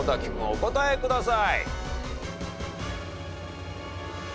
お答えください。